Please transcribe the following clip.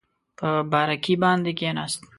په بارکي باندې کېناست.